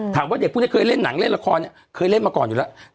เด็กพวกนี้เคยเล่นหนังเล่นละครเนี่ยเคยเล่นมาก่อนอยู่แล้ว